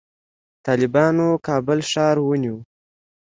طالبانو کابل ښار ونیو